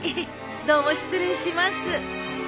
どうも失礼します。